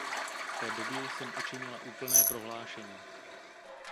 V té době jsem učinila úplné prohlášení.